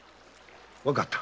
わかった！